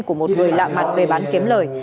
của một người lạ mặt về bán kiếm lời